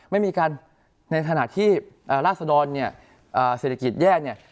ไม่มีการในขณะที่ราศดรเนี่ยเศรษฐกิจแยกเนี่ย